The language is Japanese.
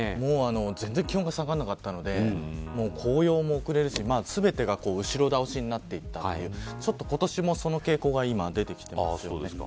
全然気温が下がらなかったので紅葉も遅れるし全てが後ろ倒しになっていたという今年もその傾向が出てきています。